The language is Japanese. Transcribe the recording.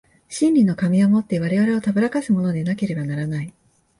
真理の仮面を以て我々を誑かすものでなければならない。